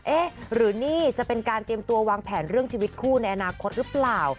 เอ๊ะหรือนี่จะเป็นการเตรียมตัววางแผนเรื่องชีวิตคู่ในอนาคตหรือเปล่า